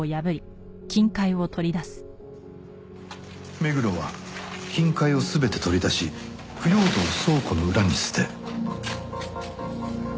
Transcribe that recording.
目黒は金塊を全て取り出し腐葉土を倉庫の裏に捨て。